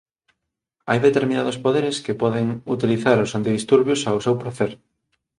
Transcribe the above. Hai determinados poderes que poden utilizar os antidisturbios ao seu pracer